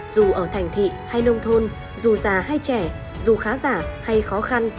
dù ở thành thị hay nông thôn dù già hay trẻ dù khá giả hay khó khăn